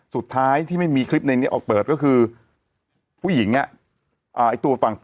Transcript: สุดท้ายที่ไม่มีคลิปในนั้น